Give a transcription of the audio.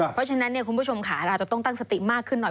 เพราะฉะนั้นเนี่ยคุณผู้ชมข้าจะต้องตั้งสติมากขึ้นหน่อย